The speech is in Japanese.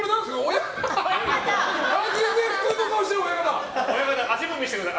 親方、足踏みしてください。